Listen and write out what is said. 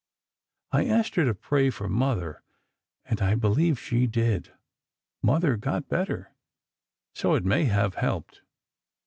I asked her to pray for Mother, and I believe she did. Mother got better, so it may have helped.